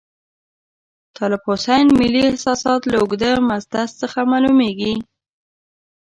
د طالب حسین ملي احساسات له اوږده مسدس څخه معلوميږي.